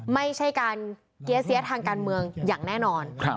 ไม่ใช่การเกี้ยเสียทางการเมืองอย่างแน่นอน